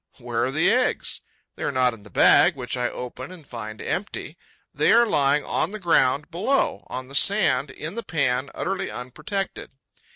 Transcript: Where are the eggs? They are not in the bag, which I open and find empty. They are lying on the ground below, on the sand in the pan, utterly unprotected.